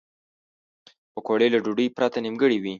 پکورې له ډوډۍ پرته نیمګړې وي